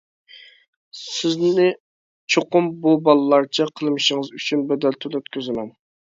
سىزنى چوقۇم بۇ بالىلارچە قىلمىشىڭىز ئۈچۈن بەدەل تۆلەتكۈزىمەن!